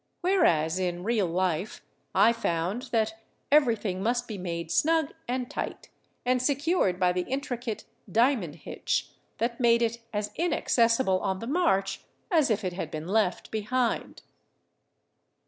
Whereas in real life I found that everything must be made snug and tight, and secured by the intricate " diamond hitch " that made it as inaccessible on the march as if it had been left behind.